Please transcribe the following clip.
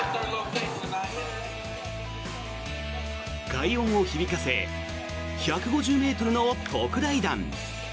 快音を響かせ１５０ｍの特大弾。